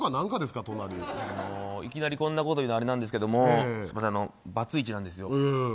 いきなりこんなこと言うのはあれなんですけどバツイチなんですよ。